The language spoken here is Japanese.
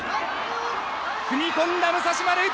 踏み込んだ、武蔵丸。